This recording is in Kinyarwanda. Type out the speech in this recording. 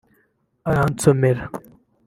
aransomera